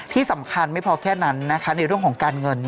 ที่สำคัญไม่พอแค่นั้นนะคะในเรื่องของการเงิน